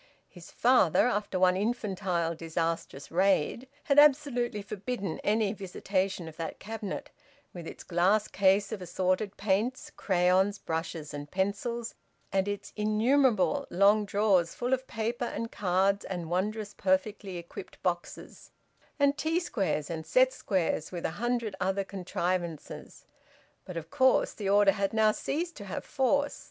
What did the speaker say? His father, after one infantile disastrous raid, had absolutely forbidden any visitation of that cabinet, with its glass case of assorted paints, crayons, brushes and pencils, and its innumerable long drawers full of paper and cards and wondrous perfectly equipped boxes, and T squares and set squares, with a hundred other contrivances. But of course the order had now ceased to have force.